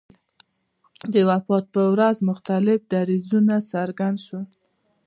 د وفات په ورځ مختلف دریځونه څرګند شول.